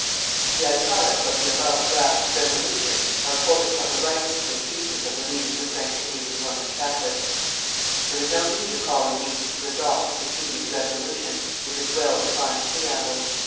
The italics of the above draft "Resolution" are quoted from the writings and speeches of leaders of French Canadian Roman Catholics. There was no need of calling meetings to adopt the preceding "Resolution" with its well defined preamble.